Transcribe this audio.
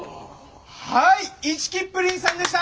はいイチキップリンさんでした！